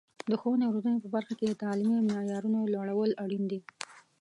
د ښوونې او روزنې په برخه کې د تعلیمي معیارونو لوړول اړین دي.